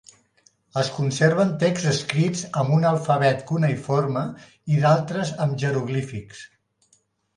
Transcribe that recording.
Es conserven texts escrits amb un alfabet cuneïforme i d'altres amb jeroglífics.